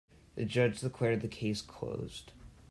The judge declared the case closed.